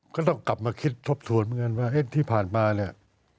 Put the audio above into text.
ก็ต้องกลับมาคิดทบทวนเหมือนกันว่าที่ผ่านมาเนี่ย